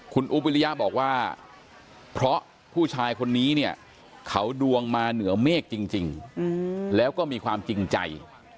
คุณอุ๊บวิริยะบอกว่าเพราะผู้ชายคนนี้เนี่ยเขาดวงมาเหนือเมฆจริงแล้วก็มีความจริงใจ